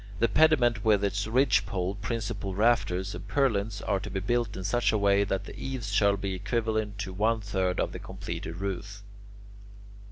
The pediment with its ridgepole, principal rafters, and purlines are to be built in such a way that the eaves shall be equivalent to one third of the completed roof.